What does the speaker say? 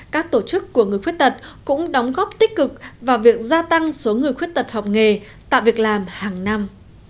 các tổ chức của người khuyết tật cũng đóng góp tích cực vào việc gia tăng số người khuyết tật học nghề tạo việc làm hàng năm